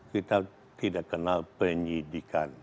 kita tidak kenal penyidikan